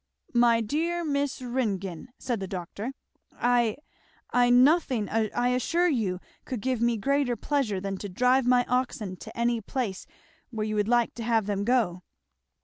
"My dear Miss Ringgan!" said the doctor, "I I nothing I assure you could give me greater pleasure than to drive my oxen to any place where you would like to have them go."